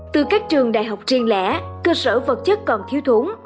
từ các trường đại học riêng lẻ cơ sở vật chất còn thiếu thốn